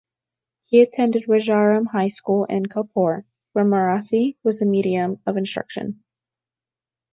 He attended Rajaram High School in Kolhapur, where Marathi was the medium of instruction.